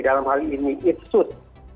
dalam hal ini it's good